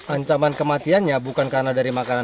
ancaman kematiannya bukan karena dari makanan